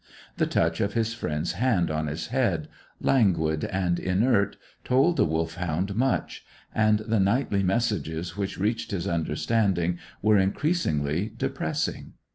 The touch of his friend's hand on his head, languid and inert, told the Wolfhound much; and the nightly messages which reached his understanding were increasingly depressing.